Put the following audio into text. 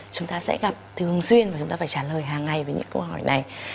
chúng ta sẽ gặp thường xuyên và chúng ta phải trả lời hàng ngày với những câu hỏi này